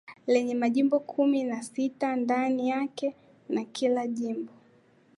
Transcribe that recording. Lenye majimbo kumi nasita ndani yake na kila jimbo